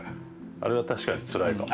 あれは確かにつらいかもね。